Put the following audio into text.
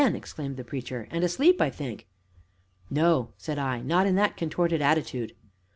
exclaimed the Preacher, "and asleep, I think." "No," said I, "not in that contorted attitude."